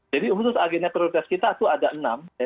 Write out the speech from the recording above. jadi untuk agenda prioritas kita itu ada enam